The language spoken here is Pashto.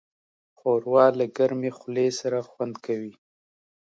ښوروا له ګرمې خولې سره خوند کوي.